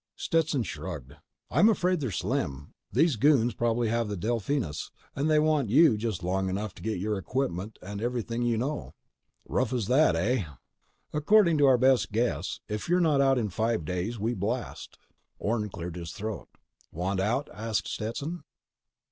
Stetson shrugged. "I'm afraid they're slim. These goons probably have the Delphinus, and they want you just long enough to get your equipment and everything you know." "Rough as that, eh?" "According to our best guess. If you're not out in five days, we blast." Orne cleared his throat. "Want out?" asked Stetson.